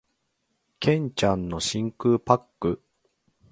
剣ちゃんの真空パック